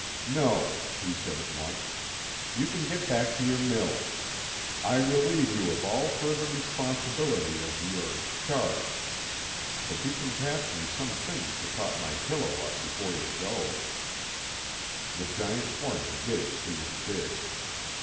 "No," he said at once. "You can get back to your mill. I relieve you of all further responsibility of your charge. But you can pass me some things to prop my pillow up before you go." The giant foreman did as he was bid.